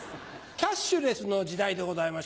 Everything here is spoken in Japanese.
キャッシュレスの時代でございまして。